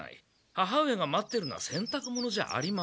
母上が待ってるのはせんたく物じゃありません。